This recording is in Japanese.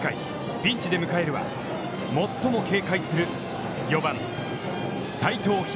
ピンチで迎えるは最も警戒する４番・齋藤陽。